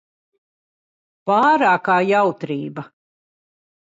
Pārākā jautrība.